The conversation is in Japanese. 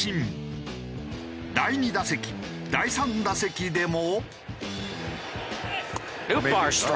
第２打席第３打席でも。